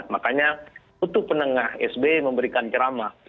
makanya kutu penengah sby memberikan ceramah